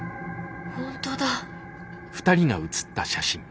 本当だ。